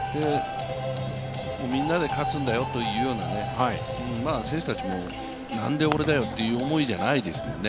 みんなで勝つんだよというような、選手たちもなんで俺だよという思いじゃないんですもんね。